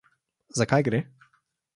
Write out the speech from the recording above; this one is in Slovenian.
Za kaj gre?